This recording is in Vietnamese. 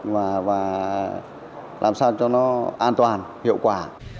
và làm sao cho nó an toàn hiệu quả